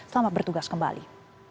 selamat bertugas kembali